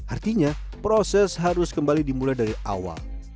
artinya proses harus kembali dimulai dari awal